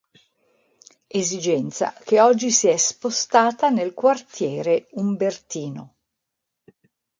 Esigenza che oggi si è spostata nel quartiere umbertino.